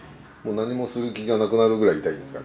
何もする気がなくなるぐらい痛いんですか？